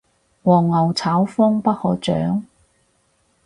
黃牛炒風不可長